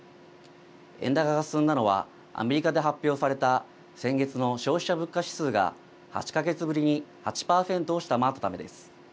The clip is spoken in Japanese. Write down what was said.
円高が進んだのはアメリカで発表された先月の消費者物価指数が８か月ぶりに８％を下回ったためです。